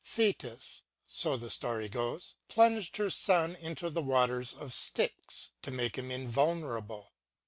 Thetis, so the story goes, plunged her son in the waters of Styx to make him invulnerable.